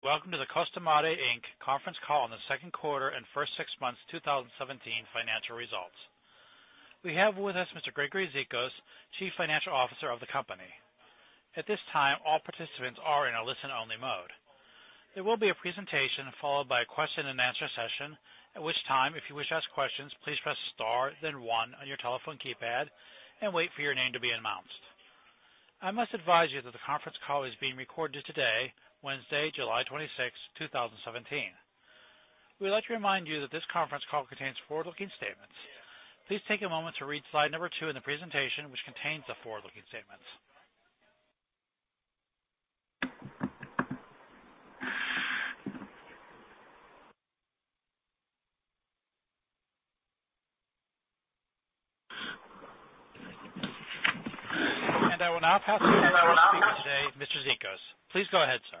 Welcome to the Costamare Inc. conference call on the second quarter and first six months 2017 financial results. We have with us Mr. Gregory Zikos, Chief Financial Officer of the company. At this time, all participants are in a listen-only mode. There will be a presentation followed by a question and answer session, at which time, if you wish to ask questions, please press star then one on your telephone keypad, and wait for your name to be announced. I must advise you that the conference call is being recorded today, Wednesday, July 26, 2017. We would like to remind you that this conference call contains forward-looking statements. Please take a moment to read slide number two in the presentation, which contains the forward-looking statements. I will now pass it to our speaker today, Mr. Zikos. Please go ahead, sir.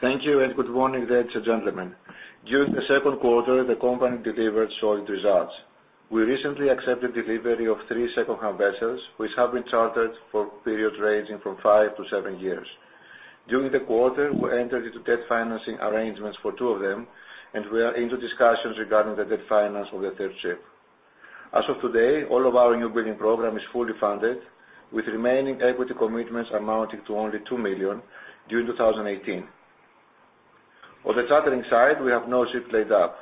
Thank you. Good morning, ladies and gentlemen. During the second quarter, the company delivered solid results. We recently accepted delivery of three second-hand vessels, which have been chartered for periods ranging from five to seven years. During the quarter, we entered into debt financing arrangements for two of them, and we are into discussions regarding the debt finance of the third ship. As of today, all of our newbuilding program is fully funded, with remaining equity commitments amounting to only $2 million during 2018. On the chartering side, we have no ship laid up.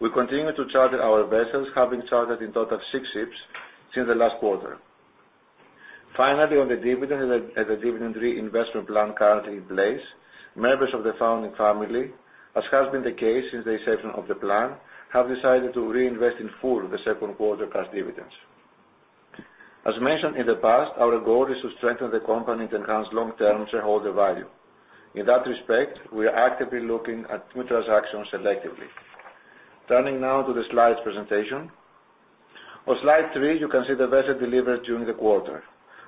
We continue to charter our vessels, having chartered in total six ships since the last quarter. Finally, on the dividend and the dividend reinvestment plan currently in place, members of the founding family, as has been the case since the inception of the plan, have decided to reinvest in full the second quarter cash dividends. As mentioned in the past, our goal is to strengthen the company to enhance long-term shareholder value. In that respect, we are actively looking at new transactions selectively. Turning now to the slides presentation. On slide three, you can see the vessel delivered during the quarter.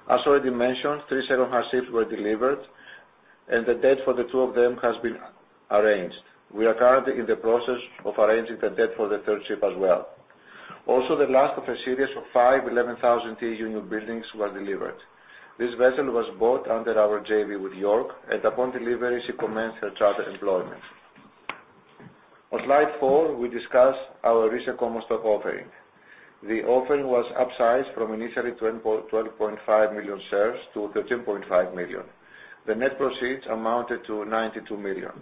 As already mentioned, three second-hand ships were delivered, and the debt for the two of them has been arranged. We are currently in the process of arranging the debt for the third ship as well. Also, the last of a series of five 11,000 TEU newbuildings were delivered. This vessel was bought under our JV with York, and upon delivery, she commenced her charter employment. On slide four, we discuss our recent common stock offering. The offering was upsized from initially 12.5 million shares to 13.5 million. The net proceeds amounted to $92 million.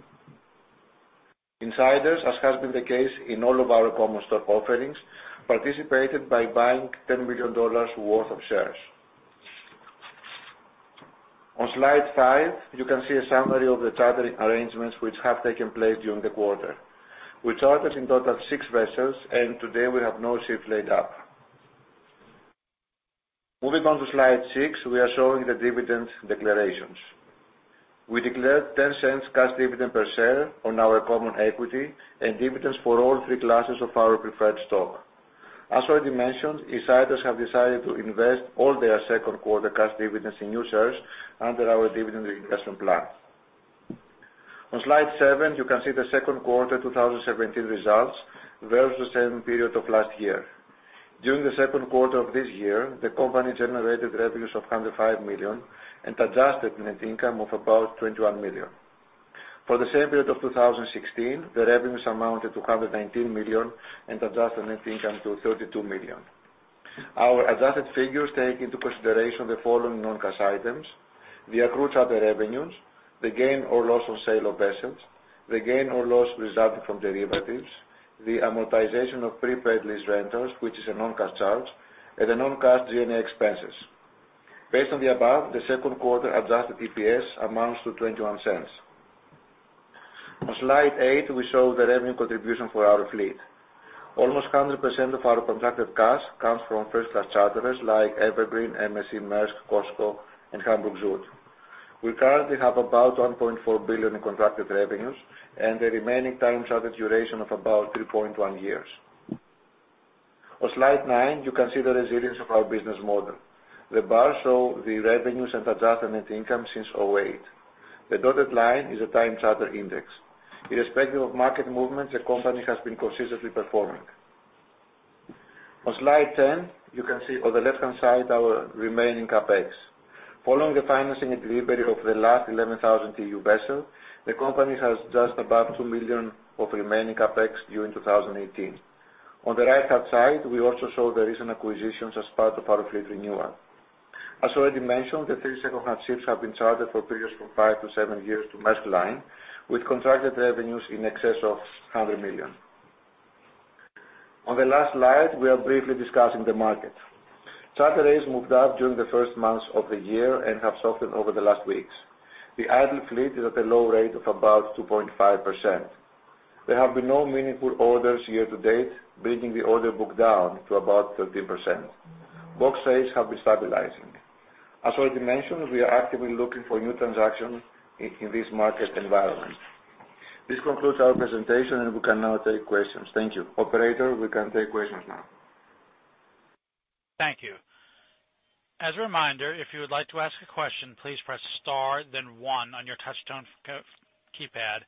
Insiders, as has been the case in all of our common stock offerings, participated by buying $10 million worth of shares. On slide five, you can see a summary of the chartering arrangements which have taken place during the quarter. We chartered in total six vessels. Today we have no ship laid up. Moving on to slide six, we are showing the dividend declarations. We declared $0.10 cash dividend per share on our common equity and dividends for all three classes of our preferred stock. As already mentioned, insiders have decided to invest all their second-quarter cash dividends in new shares under our dividend reinvestment plan. On slide seven, you can see the second quarter 2017 results versus the same period of last year. During the second quarter of this year, the company generated revenues of $105 million and adjusted net income of about $21 million. For the same period of 2016, the revenues amounted to $119 million and adjusted net income to $32 million. Our adjusted figures take into consideration the following non-cash items: the accrued charter revenues, the gain or loss on sale of vessels, the gain or loss resulting from derivatives, the amortization of prepaid lease rentals, which is a non-cash charge, and the non-cash G&A expenses. Based on the above, the second quarter adjusted EPS amounts to $0.21. On slide eight, we show the revenue contribution for our fleet. Almost 100% of our contracted cost comes from first-class charterers like Evergreen, MSC, Maersk, COSCO, and Hamburg Süd. We currently have about $1.4 billion in contracted revenues and the remaining time charter duration of about 3.1 years. On slide nine, you can see the resilience of our business model. The bars show the revenues and adjusted net income since 2008. The dotted line is a time charter index. Irrespective of market movements, the company has been consistently performing. On slide 10, you can see on the left-hand side our remaining CapEx. Following the financing and delivery of the last 11,000 TEU vessel, the company has just above $2 million of remaining CapEx during 2018. On the right-hand side, we also show the recent acquisitions as part of our fleet renewal. As already mentioned, the three second-hand ships have been chartered for periods from five to seven years to Maersk Line, with contracted revenues in excess of $100 million. On the last slide, we are briefly discussing the market. Charter rates moved up during the first months of the year and have softened over the last weeks. The idle fleet is at a low rate of about 2.5%. There have been no meaningful orders year to date, bringing the order book down to about 13%. Box rates have been stabilizing. As already mentioned, we are actively looking for new transactions in this market environment. This concludes our presentation, and we can now take questions. Thank you. Operator, we can take questions now. Thank you. As a reminder, if you would like to ask a question, please press star then one on your touchtone keypad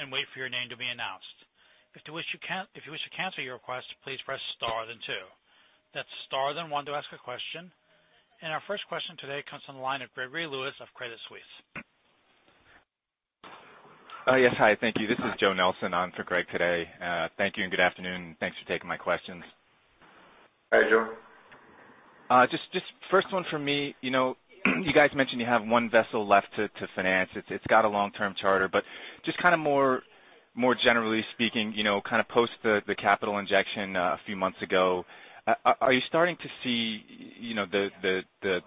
and wait for your name to be announced. If you wish to cancel your request, please press star then two. That's star then one to ask a question. And our first question today comes from the line of Gregory Lewis of Credit Suisse. Yes. Hi, thank you. This is Joe Nelson on for Greg today. Thank you and good afternoon, and thanks for taking my questions. Hi, Joe. Just first one from me. You guys mentioned you have one vessel left to finance. It's got a long-term charter, more generally speaking, post the capital injection a few months ago, are you starting to see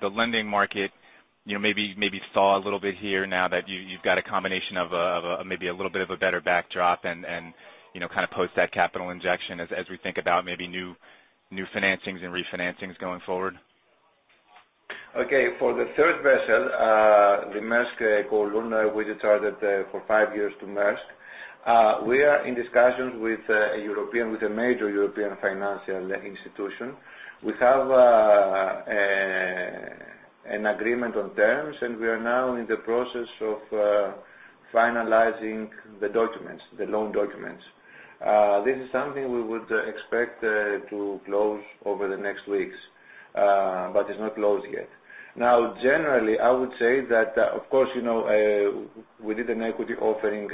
the lending market maybe thaw a little bit here now that you've got a combination of maybe a little bit of a better backdrop and, post that capital injection, as we think about maybe new financings and refinancings going forward? Okay. For the third vessel, the Maersk Colombo, we chartered for five years to Maersk. We are in discussions with a major European financial institution. We have an agreement on terms, we are now in the process of finalizing the loan documents. This is something we would expect to close over the next weeks, it's not closed yet. Generally, I would say that, of course, we did an equity offering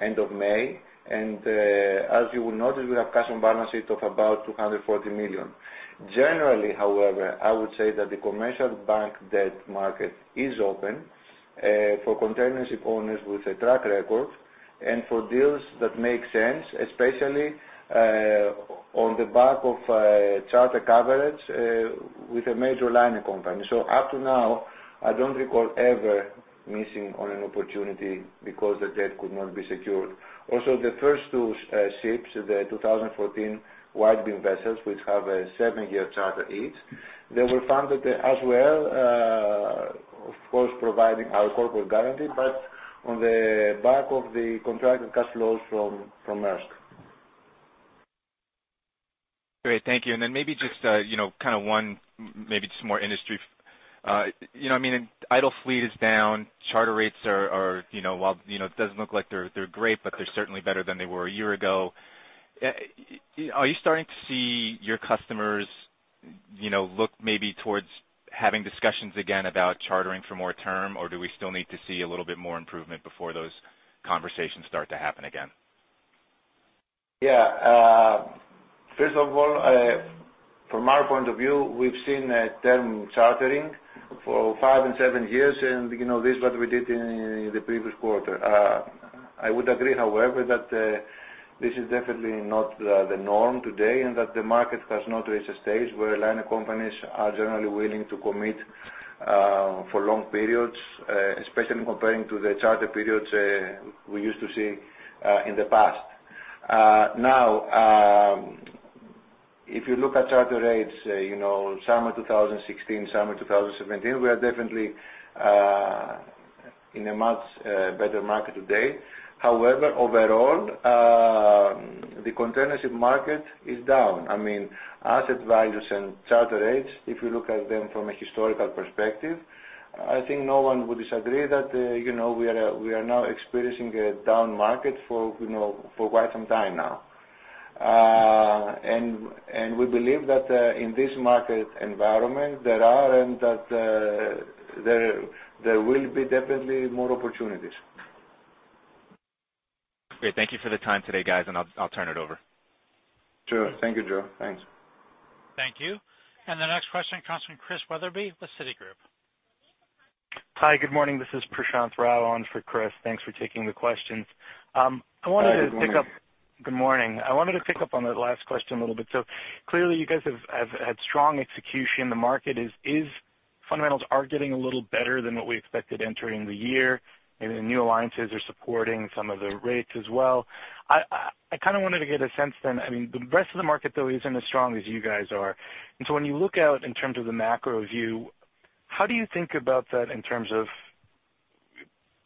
end of May, as you will notice, we have cash on balance sheet of about $240 million. Generally, however, I would say that the commercial bank debt market is open for containership owners with a track record and for deals that make sense, especially on the back of charter coverage with a major liner company. Up to now, I don't recall ever missing on an opportunity because the debt could not be secured. The first two ships, the 2014 wide-beam vessels, which have a seven-year charter each, they were funded as well, of course, providing our corporate guarantee, on the back of the contracted cash flows from Maersk. Great. Thank you. Maybe just one, maybe just more industry. Idle fleet is down. Charter rates are, well, it doesn't look like they're great, but they're certainly better than they were a year ago. Are you starting to see your customers look maybe towards having discussions again about chartering for more term, or do we still need to see a little bit more improvement before those conversations start to happen again? Yeah. First of all, from our point of view, we've seen term chartering for five and seven years, this is what we did in the previous quarter. I would agree, however, that this is definitely not the norm today, that the market has not reached a stage where liner companies are generally willing to commit for long periods, especially comparing to the charter periods we used to see in the past. Now, if you look at charter rates summer 2016, summer 2017, we are definitely in a much better market today. Overall, the containership market is down. Asset values and charter rates, if you look at them from a historical perspective, I think no one would disagree that we are now experiencing a down market for quite some time now. We believe that in this market environment, there are and that there will be definitely more opportunities. Great. Thank you for the time today, guys, I'll turn it over. Sure. Thank you, Joe. Thanks. Thank you. The next question comes from Chris Wetherbee with Citigroup. Hi, good morning. This is Prashant Rao on for Chris. Thanks for taking the questions. Hi, good morning. Good morning. I wanted to pick up on that last question a little bit. Clearly you guys have had strong execution. The market fundamentals are getting a little better than what we expected entering the year, and the new alliances are supporting some of the rates as well. I wanted to get a sense then, the rest of the market, though, isn't as strong as you guys are. When you look out in terms of the macro view, how do you think about that in terms of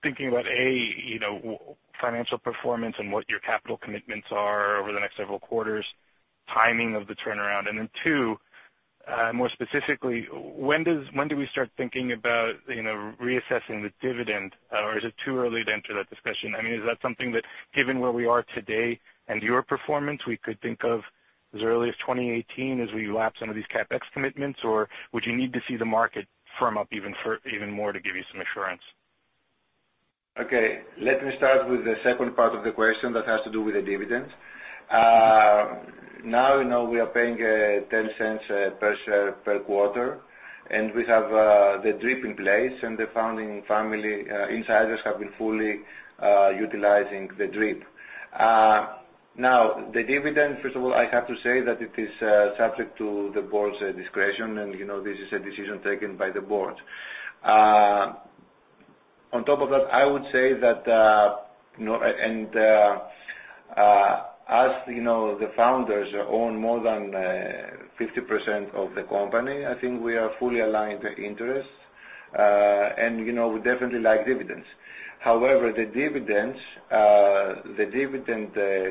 thinking about, A. financial performance and what your capital commitments are over the next several quarters, timing of the turnaround, and then Two, more specifically, when do we start thinking about reassessing the dividend? Or is it too early to enter that discussion? Is that something that, given where we are today and your performance, we could think of as early as 2018 as we lapse some of these CapEx commitments, or would you need to see the market firm up even more to give you some assurance? Okay. Let me start with the second part of the question that has to do with the dividend. We are paying $0.10 per share per quarter, and we have the DRIP in place, and the founding family insiders have been fully utilizing the DRIP. The dividend, first of all, I have to say that it is subject to the board's discretion, and this is a decision taken by the board. On top of that, I would say that as the founders own more than 50% of the company, I think we are fully aligned interests. We definitely like dividends. However, the dividend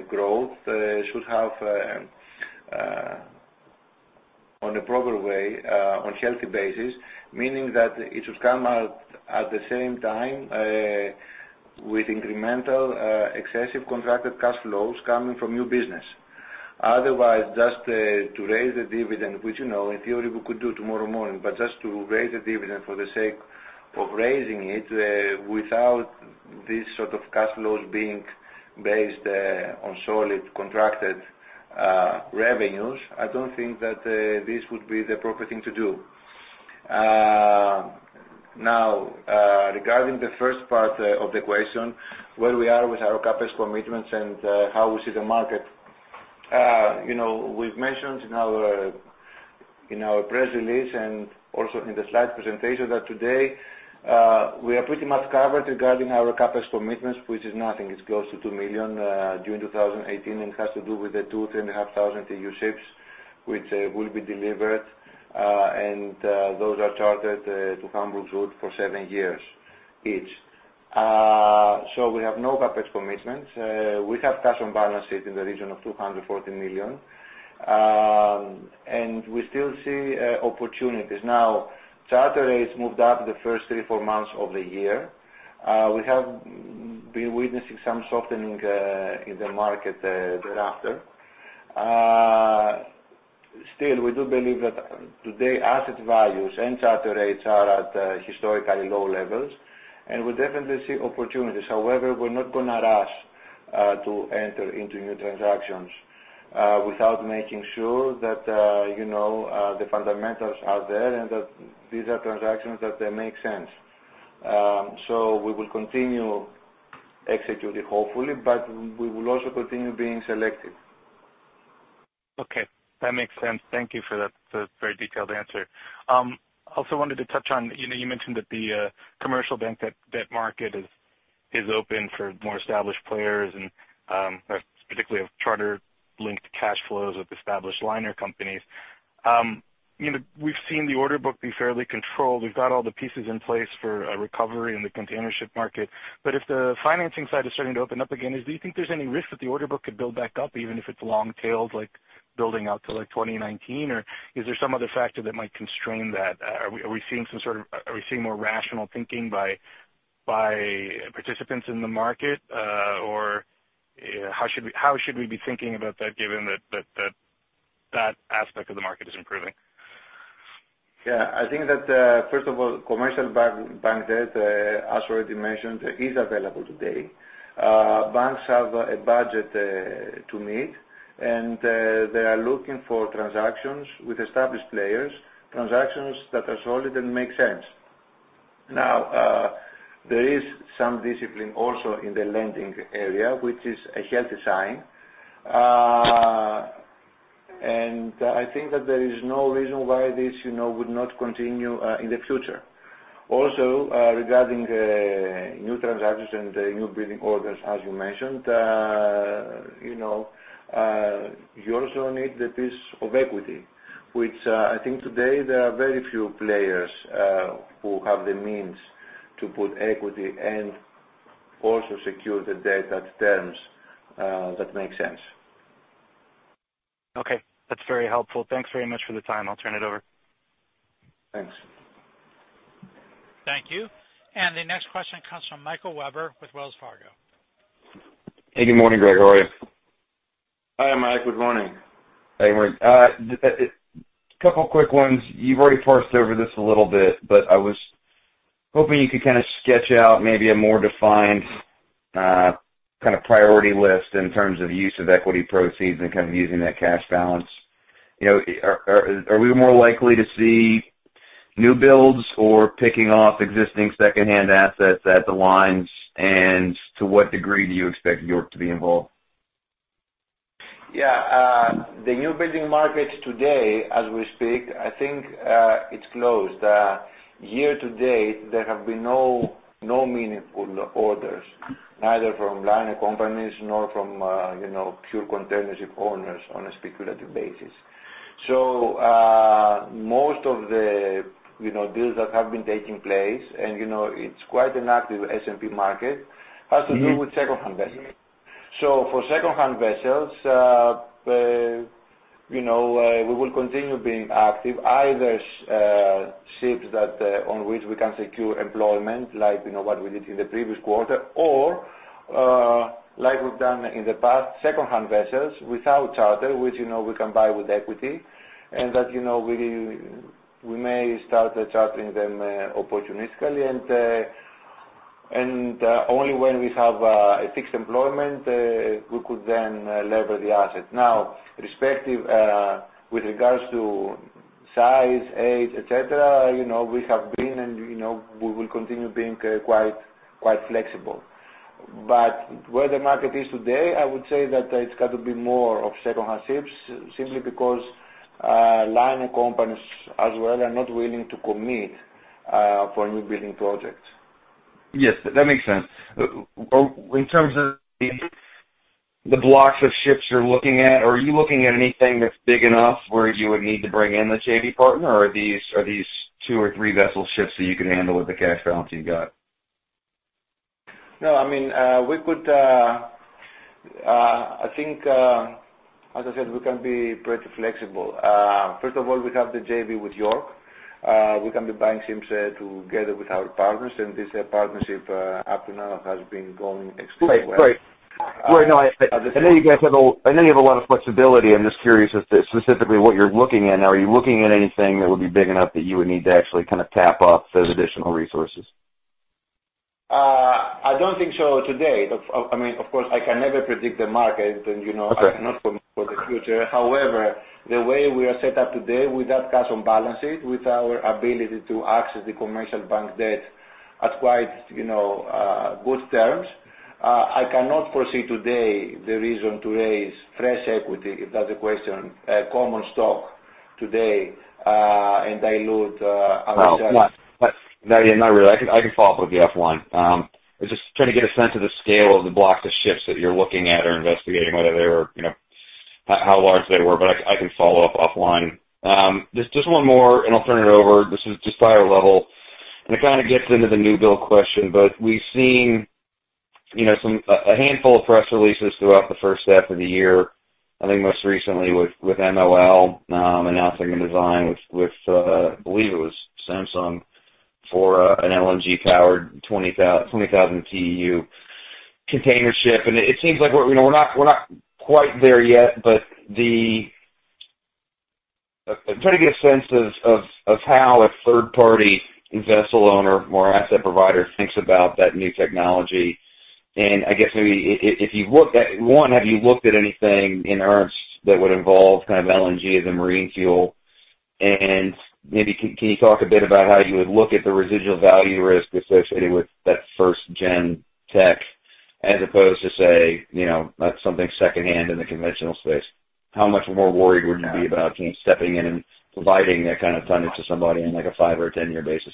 growth should have on a proper way, on healthy basis, meaning that it should come out at the same time with incremental excessive contracted cash flows coming from new business. Otherwise, just to raise the dividend, which in theory we could do tomorrow morning, but just to raise the dividend for the sake of raising it, without this sort of cash flows being based on solid contracted revenues, I don't think that this would be the appropriate thing to do. Regarding the first part of the question, where we are with our CapEx commitments and how we see the market. We've mentioned in our press release and also in the slide presentation that today, we are pretty much covered regarding our CapEx commitments, which is nothing. It's close to $2 million, June 2018, and has to do with the 2,500 TEU ships, which will be delivered. Those are chartered to Hamburg Süd for seven years each. We have no CapEx commitments. We have cash on balance sheet in the region of $240 million. We still see opportunities. Charter rates moved up the first three, four months of the year. We have been witnessing some softening in the market thereafter. We do believe that today asset values and charter rates are at historically low levels, and we definitely see opportunities. We're not going to rush to enter into new transactions without making sure that the fundamentals are there and that these are transactions that make sense. We will continue executing, hopefully, but we will also continue being selective. Okay. That makes sense. Thank you for that very detailed answer. Also wanted to touch on, you mentioned that the commercial bank debt market is open for more established players and, particularly of charter linked cash flows with established liner companies. We've seen the order book be fairly controlled. We've got all the pieces in place for a recovery in the containership market. If the financing side is starting to open up again, do you think there's any risk that the order book could build back up, even if it's long tailed, like building out to 2019? Is there some other factor that might constrain that? Are we seeing more rational thinking by participants in the market? How should we be thinking about that given that that aspect of the market is improving? I think that, first of all, commercial bank debt, as already mentioned, is available today. Banks have a budget to meet, they are looking for transactions with established players, transactions that are solid and make sense. There is some discipline also in the lending area, which is a healthy sign. I think that there is no reason why this would not continue in the future. Regarding new transactions and new building orders, as you mentioned, you also need the piece of equity, which I think today there are very few players who have the means to put equity and also secure the debt at terms that make sense. Okay. That's very helpful. Thanks very much for the time. I'll turn it over. Thanks. Thank you. The next question comes from Michael Webber with Wells Fargo. Hey, good morning, Greg. How are you? Hi, Mike. Good morning. Hey. Couple quick ones. You've already parsed over this a little bit, but I was hoping you could kind of sketch out maybe a more defined kind of priority list in terms of use of equity proceeds and kind of using that cash balance. Are we more likely to see new builds or picking off existing secondhand assets at the lines? To what degree do you expect York to be involved? The new building market today, as we speak, I think it's closed. Year to date, there have been no meaningful orders, either from liner companies nor from pure container ship owners on a speculative basis. Most of the deals that have been taking place, and it's quite an active S&P market, has to do with secondhand vessels. For secondhand vessels, we will continue being active, either ships that on which we can secure employment, like what we did in the previous quarter or, like we've done in the past, secondhand vessels without charter, which we can buy with equity and that we may start chartering them opportunistically. Only when we have a fixed employment, we could then lever the asset. Respective with regards to size, age, et cetera, we have been and we will continue being quite flexible. Where the market is today, I would say that it's got to be more of secondhand ships simply because liner companies as well are not willing to commit for a new building project. That makes sense. In terms of the blocks of ships you're looking at, are you looking at anything that's big enough where you would need to bring in the JV partner, or are these two or three vessel ships that you could handle with the cash balance you've got? No, as I said, we can be pretty flexible. First of all, we have the JV with York. We can be buying ships together with our partners, and this partnership up to now has been going extremely well. Right. No, I know you have a lot of flexibility. I'm just curious, specifically what you're looking at. Are you looking at anything that would be big enough that you would need to actually tap off those additional resources? I don't think so today. Of course, I can never predict the market. Okay I cannot for the future. The way we are set up today with that cash on balances, with our ability to access the commercial bank debt at quite good terms, I cannot foresee today the reason to raise fresh equity, if that's the question, common stock today, and dilute ourselves. Oh, no. Not really. I can follow up with the F1. I was just trying to get a sense of the scale of the blocks of ships that you're looking at or investigating, how large they were. I can follow up offline. Just one more, and I'll turn it over. This is just higher level, and it kind of gets into the new build question. We've seen a handful of press releases throughout the first half of the year, I think most recently with MOL announcing a design with, I believe it was Samsung, for an LNG-powered 20,000 TEU container ship. It seems like we're not quite there yet, but I'm trying to get a sense of how a third party vessel owner or asset provider thinks about that new technology. I guess maybe, one, have you looked at anything in earnest that would involve LNG as a marine fuel? Maybe, can you talk a bit about how you would look at the residual value risk associated with that first gen tech as opposed to say, something secondhand in the conventional space? How much more worried would you be about stepping in and providing that kind of tonnage to somebody on a five or a 10-year basis?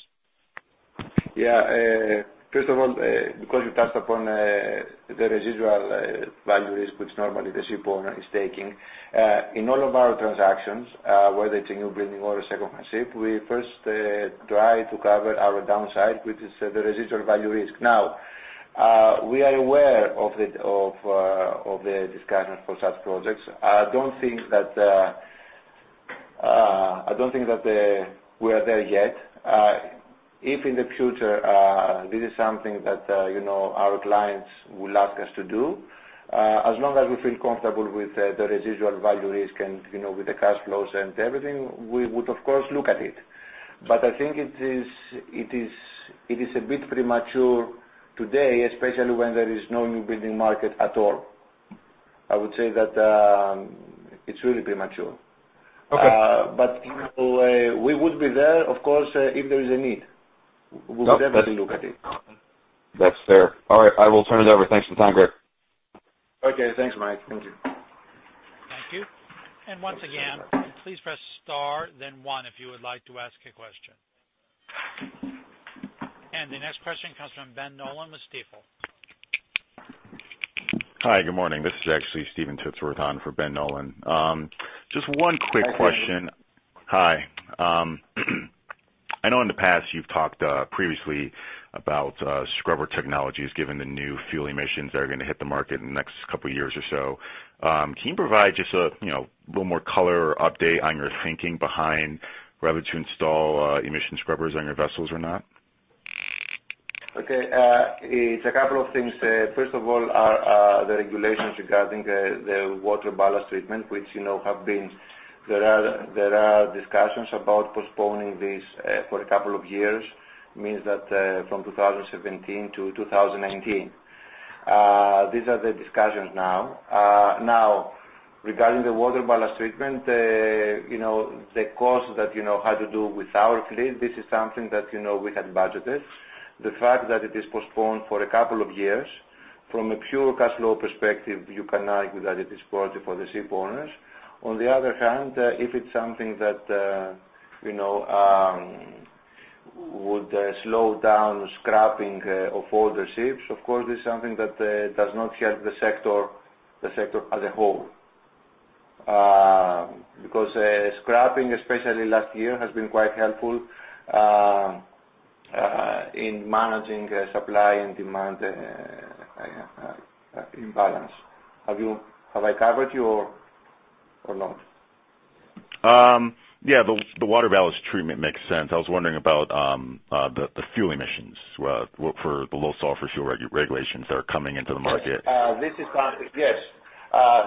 Yeah. First of all, because you touched upon the residual value risk, which normally the shipowner is taking. In all of our transactions, whether it's a new building or a second-hand ship, we first try to cover our downside, which is the residual value risk. Now, we are aware of the discussion for such projects. I don't think that we are there yet. If in the future, this is something that our clients would ask us to do, as long as we feel comfortable with the residual value risk and with the cash flows and everything, we would of course look at it. I think it is a bit premature today, especially when there is no new building market at all. I would say that it's really premature. Okay. We would be there, of course, if there is a need. We would definitely look at it. That's fair. All right, I will turn it over. Thanks for the time, Greg. Okay, thanks, Mike. Thank you. Thank you. Once again, please press star then one if you would like to ask a question. The next question comes from Ben Nolan with Stifel. Hi, good morning. This is actually Steven Tittsworth on for Ben Nolan. Just one quick question. Hi, Steve. Hi. I know in the past you've talked previously about scrubber technologies, given the new fuel emissions that are going to hit the market in the next couple of years or so. Can you provide just a little more color or update on your thinking behind whether to install emission scrubbers on your vessels or not? Okay. It's a couple of things. First of all, are the regulations regarding the water ballast treatment, which there are discussions about postponing this for a couple of years. Means that from 2017 to 2019. These are the discussions now. Now, regarding the water ballast treatment, the cost that had to do with our fleet, this is something that we had budgeted. The fact that it is postponed for a couple of years, from a pure cash flow perspective, you can argue that it is positive for the ship owners. On the other hand, if it's something that would slow down scrapping of older ships, of course, it's something that does not help the sector as a whole. Because scrapping, especially last year, has been quite helpful in managing supply and demand imbalance. Have I covered you or not? Yeah. The water ballast treatment makes sense. I was wondering about the fuel emissions for the low sulfur fuel regulations that are coming into the market. This is something, yes.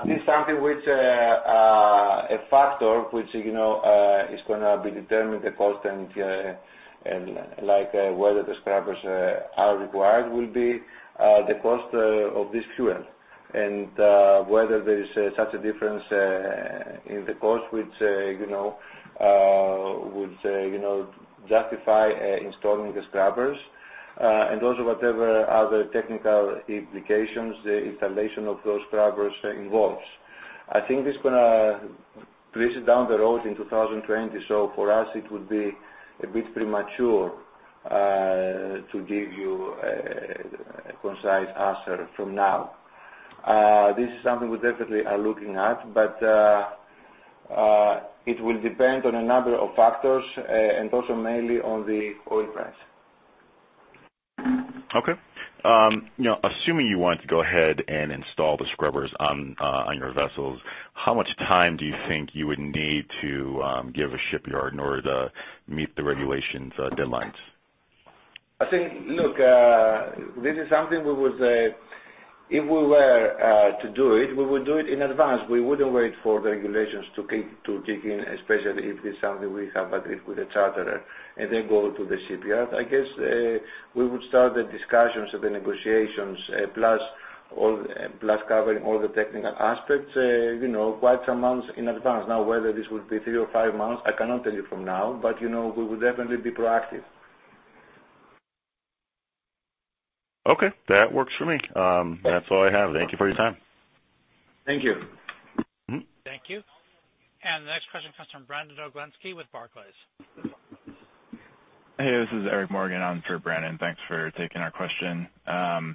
This is something which a factor, which is going to be determined the cost and like whether the scrubbers are required will be the cost of this fuel. Whether there is such a difference in the cost which would justify installing the scrubbers. Also, whatever other technical implications the installation of those scrubbers involves. I think this going to be pushed down the road in 2020. For us, it would be a bit premature to give you a concise answer from now. This is something we definitely are looking at, but it will depend on a number of factors, and also mainly on the oil price. Okay. Assuming you want to go ahead and install the scrubbers on your vessels, how much time do you think you would need to give a shipyard in order to meet the regulations' deadlines? I think, look, this is something, if we were to do it, we would do it in advance. We wouldn't wait for the regulations to kick in, especially if it's something we have agreed with the charterer, and then go to the shipyard. I guess, we would start the discussions or the negotiations, plus covering all the technical aspects quite some months in advance. Whether this would be three or five months, I cannot tell you from now, but we would definitely be proactive. Okay. That works for me. That's all I have. Thank you for your time. Thank you. Thank you. The next question comes from Brandon Oglenski with Barclays. Hey, this is Eric Morgan. I'm in for Brandon. Thanks for taking our question. Hi,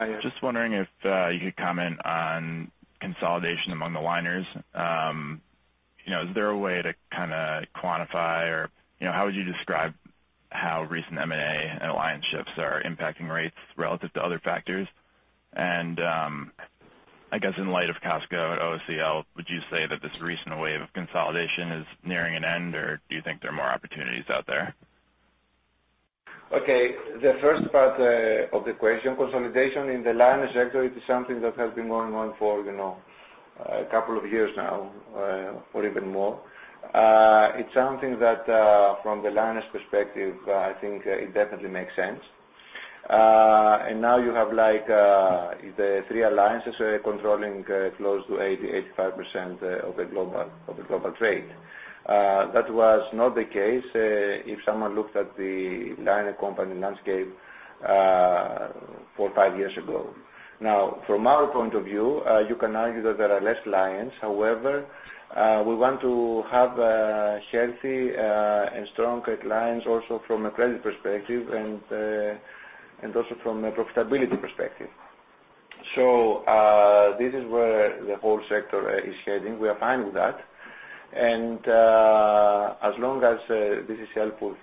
Eric. Just wondering if you could comment on consolidation among the liners. Is there a way to quantify or how would you describe how recent M&A and alliance ships are impacting rates relative to other factors? I guess in light of COSCO and OOCL, would you say that this recent wave of consolidation is nearing an end, or do you think there are more opportunities out there? Okay. The first part of the equation, consolidation in the liner sector, it is something that has been going on for a couple of years now, or even more. It's something that, from the liner's perspective, I think it definitely makes sense. Now you have the three alliances controlling close to 80%-85% of the global trade. That was not the case if someone looked at the liner company landscape four, five years ago. Now, from our point of view, you can argue that there are less lines. However, we want to have healthy and strong lines also from a credit perspective and also from a profitability perspective. This is where the whole sector is heading. We are fine with that. As long as this is helpful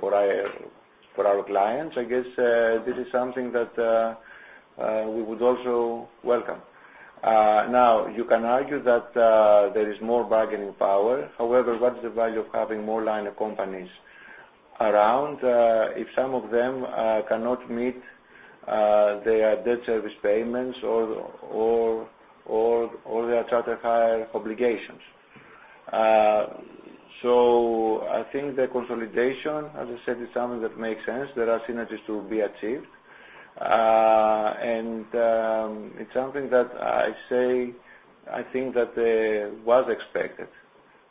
for our clients, I guess, this is something that we would also welcome. Now, you can argue that there is more bargaining power. However, what's the value of having more liner companies around if some of them cannot meet their debt service payments or their charter hire obligations? I think the consolidation, as I said, is something that makes sense. There are synergies to be achieved. It's something that I think that was expected.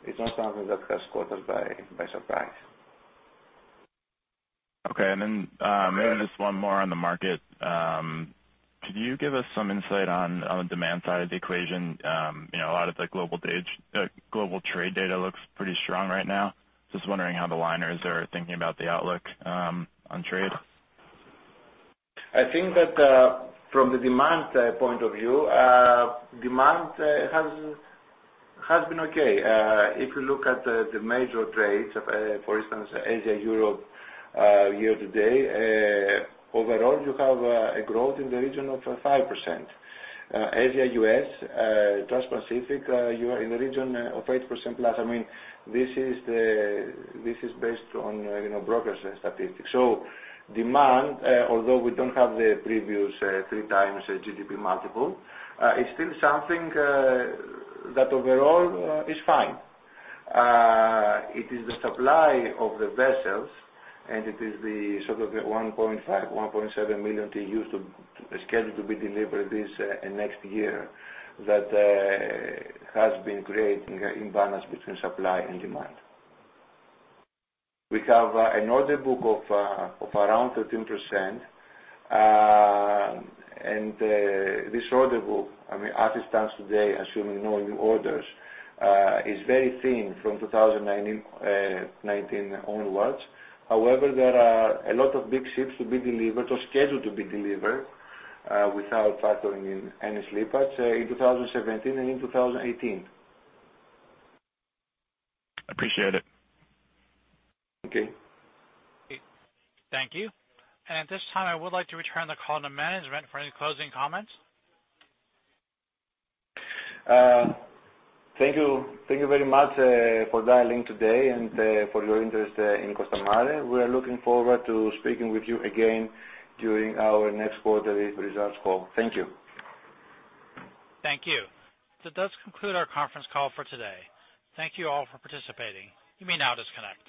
It's not something that has caught us by surprise. Okay, maybe just one more on the market. Could you give us some insight on the demand side of the equation? A lot of the global trade data looks pretty strong right now. Just wondering how the liners are thinking about the outlook on trade. I think that from the demand point of view, demand has been okay. If you look at the major trades, for instance, Asia-Europe, year to date, overall, you have a growth in the region of 5%. Asia-U.S., transpacific, you are in the region of 8% plus. This is based on brokers' statistics. Demand, although we don't have the previous three times GDP multiple, is still something that overall is fine. It is the supply of the vessels, and it is the sort of the 1.5 million-1.7 million TEUs scheduled to be delivered this and next year that has been creating imbalance between supply and demand. We have an order book of around 13%, and this order book, as it stands today, assuming no new orders, is very thin from 2019 onwards. There are a lot of big ships to be delivered or scheduled to be delivered, without factoring in any slip-ups, in 2017 and in 2018. Appreciate it. Okay. Thank you. At this time, I would like to return the call to management for any closing comments. Thank you very much for dialing today and for your interest in Costamare. We are looking forward to speaking with you again during our next quarterly results call. Thank you. Thank you. That does conclude our conference call for today. Thank you all for participating. You may now disconnect.